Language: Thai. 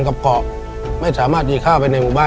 ในแคมเปญพิเศษเกมต่อชีวิตโรงเรียนของหนู